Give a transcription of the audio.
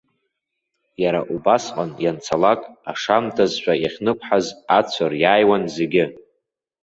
Иара убасҟан, ианцалак, ашамҭазшәа, иахьнықәҳаз ацәа риааиуан зегьы.